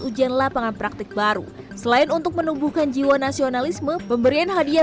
ujian lapangan praktik baru selain untuk menumbuhkan jiwa nasionalisme pemberian hadiah